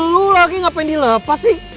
lu lagi ngapain dilepas sih